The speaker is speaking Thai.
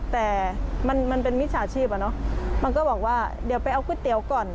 แต่มันเป็นมิจฉาชีพอะเนาะมันก็บอกว่าเดี๋ยวไปเอาก๋วยเตี๋ยวก่อน